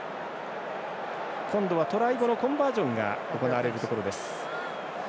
今度はトライ後のコンバージョンが行われるところです。